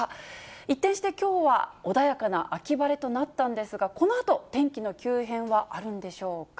一転してきょうは穏やかな秋晴れとなったんですが、このあと、天気の急変はあるんでしょうか。